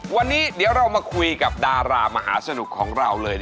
วันนี้เดี๋ยวเรามาคุยกับดารามหาสนุกของเราเลย